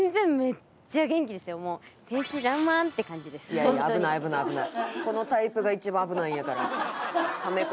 いやいや危ない危ない危ない。